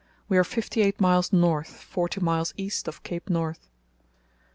We are fifty eight miles north, forty miles east of Cape North.